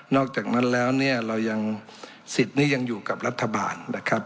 อกจากนั้นแล้วเนี่ยเรายังสิทธิ์นี้ยังอยู่กับรัฐบาลนะครับ